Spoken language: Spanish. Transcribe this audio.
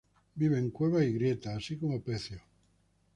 Vive en cuevas y grietas, así como pecios.